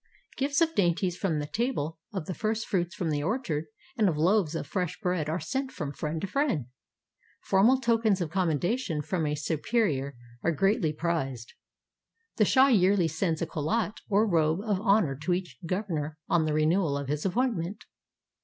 Gifts of dainties from the table, of the first fruits from the orchard, and of loaves of fresh bread are sent from friend to friend. Formal tokens of commendation from a superior are greatly prized. The shah yearly sends a khallat or robe of honor to each governor on the renewal of his appointment.